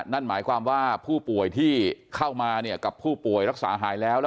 นั่นหมายความว่าผู้ป่วยที่เข้ามาเนี่ยกับผู้ป่วยรักษาหายแล้ว